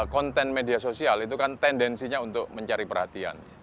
konten media sosial itu kan tendensinya untuk mencari perhatian